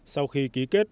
sau khi ký kết